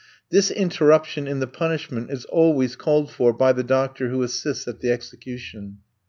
This interruption in the punishment is always called for by the doctor who assists at the execution.